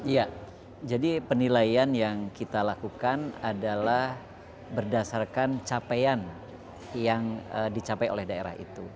ya jadi penilaian yang kita lakukan adalah berdasarkan capaian yang dicapai oleh daerah itu